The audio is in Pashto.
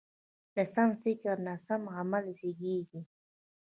له سم فکر نه سم عمل زېږي.